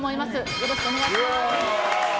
よろしくお願いします。